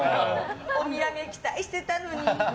お土産、期待してたのに。